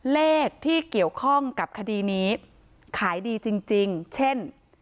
เลขที่เกี่ยวข้องกับคดีนี้ขายดีจริงเช่น